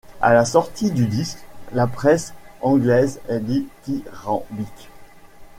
À la sortie du disque, la presse anglaise est dithyrambique.